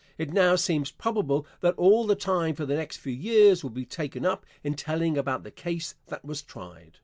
It now seems probable that all the time for the next few years will be taken up in telling about the case that was tried.